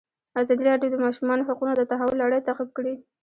ازادي راډیو د د ماشومانو حقونه د تحول لړۍ تعقیب کړې.